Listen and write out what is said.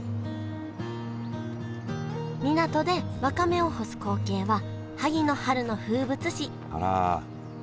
港でわかめを干す光景は萩の春の風物詩あら。